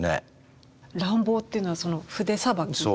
乱暴というのはその筆さばきが？